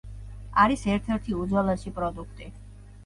არის ერთ-ერთი უძველესი პროდუქტი.